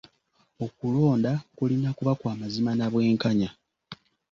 Okulonda kulina kuba kwa mazima na bwenkanya.